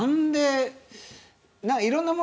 いろんなもの